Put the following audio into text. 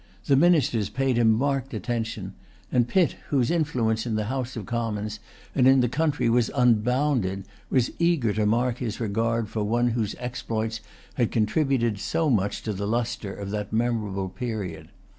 The ministers paid him marked attention; and Pitt, whose influence in the House of Commons and in the country was unbounded, was eager to mark his regard for one whose exploits had contributed so much to the lustre of that memorable period.